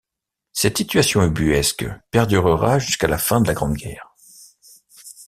Cette situation ubuesque perdurera jusqu'à la fin de la Grande Guerre.